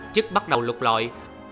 chức bắt đầu lục lội